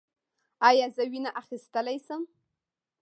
ایا زه وینه اخیستلی شم؟